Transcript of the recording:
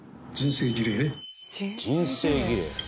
人生儀礼。